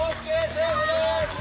セーフです！